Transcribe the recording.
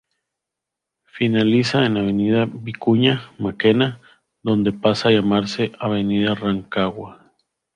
Finaliza en Avenida Vicuña Mackenna, donde pasa a llamarse Avenida Rancagua.